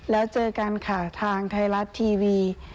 แล้วเจอกันค่ะทางไทยรัฐทีวี